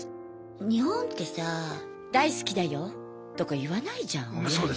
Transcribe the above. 日本ってさ大好きだよとか言わないじゃん親に。